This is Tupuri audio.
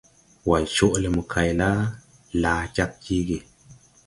Way coʼ le mokay la, laa jag jeege.